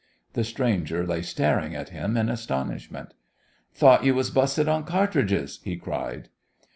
The stranger lay staring at him in astonishment. "Thought you was busted on catridges!" he cried.